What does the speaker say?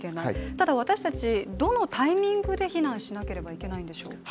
ただ私たち、どのタイミングで避難しなければいけないんでしょう？